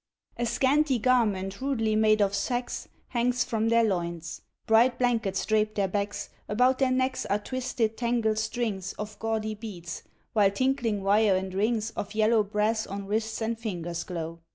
A scanty garment rudely made of sacks Hangs from their loins; bright blankets drape their backs; About their necks are twisted tangled strings Of gaudy beads, while tinkling wire and rings Of yellow brass on wrists and fingers glow.